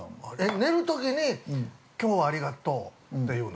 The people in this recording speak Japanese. ◆寝るときにきょうはありがとうって言うの？